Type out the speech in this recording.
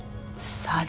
猿。